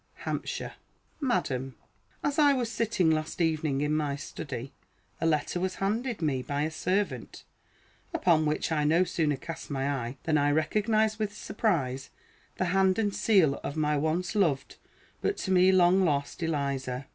HAMPSHIRE. Madam: As I was sitting last evening in my study, a letter was handed me by a servant; upon which I no sooner cast my eye than I recognized, with surprise, the hand and seal of my once loved, but to me long lost, Eliza.